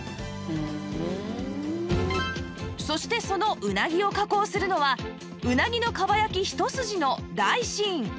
そしてそのうなぎを加工するのはうなぎのかば焼き一筋の大新